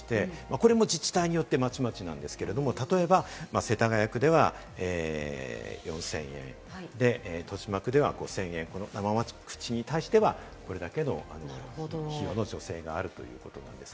これも自治体によってまちまちなんですけれども、例えば、世田谷区では４０００円、豊島区では５０００円、生ワクチンに対してはこれだけの費用の助成があるということです。